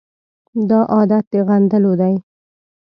دا عادت د غندلو دی.